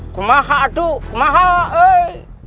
aku akan mati aku akan mati